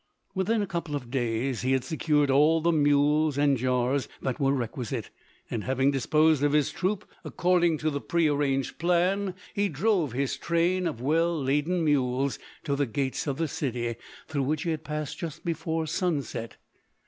Within a couple of days he had secured all the mules and jars that were requisite, and having disposed of his troop according to the pre arranged plan, he drove his train of well laden mules to the gates of the city, through which he passed just before sunset.